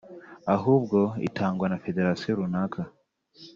ahubwo itangwa na federasiyo runaka"